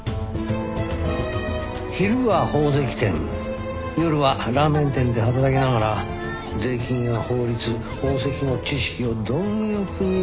昼は宝石店夜はラーメン店で働きながら税金や法律宝石の知識を貪欲に取り入れた。